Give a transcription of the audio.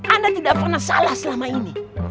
anda tidak pernah salah selama ini